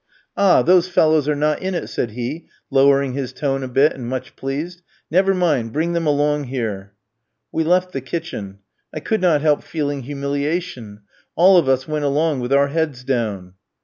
"Ah, those fellows are not in it," said he, lowering his tone a bit, and much pleased. "Never mind, bring them along here." We left the kitchen. I could not help feeling humiliation; all of us went along with our heads down.